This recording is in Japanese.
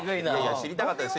「知りたかったんです。